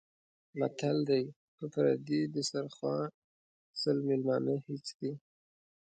متل دی: په پردي دیسترخوا سل مېلمانه هېڅ دي.